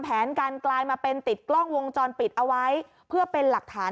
แผนการกลายมาเป็นติดกล้องวงจรปิดเอาไว้เพื่อเป็นหลักฐาน